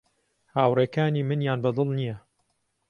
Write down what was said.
هاوڕێکانی منیان بە دڵ نییە.